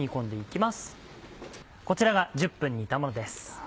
こちらが１０分煮たものです。